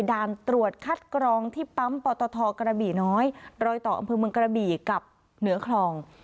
ด่านตรวจคัดกรองที่ปั๊มปตทกระบี่น้อยรอยต่ออำเภอเมืองกระบี่กับเหนือคลอง